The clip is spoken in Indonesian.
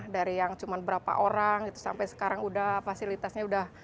dari yang cuma berapa orang sampai sekarang sudah fasilitasnya sudah